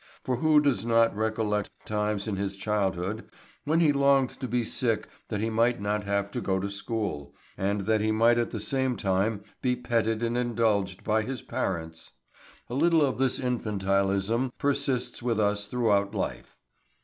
For who does not recollect times in his childhood when he longed to be sick that he might not have to go to school, and that he might at the same time be petted and indulged by his parents? A little of this infantilism persists with us throughout life.